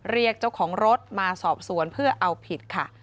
เรียกเจ้าของรถมาสอบสวนเพื่อเอาผิดค่ะ